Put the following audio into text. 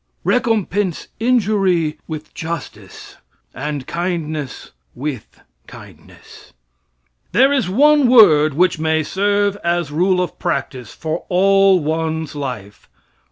"Recompense injury with justice, and kindness with kindness." There is one Word which may serve as rule of practice for all one's life.